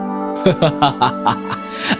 artinya dia tidak menyukainya